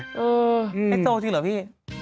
เออไฮโซจริงเหรอพี่